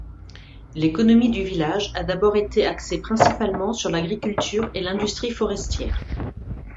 L'économie du village a d'abord été axée principalement sur l'agriculture et l'industrie forestière.